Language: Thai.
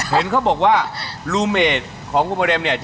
เห็นเขาบอกว่าลูเมดของคุณประเด็มเนี่ย